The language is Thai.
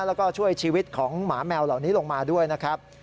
แล้วก็ช่วยชีวิตของหมาแมวเหล่านี้ลงมาด้วยนะครับ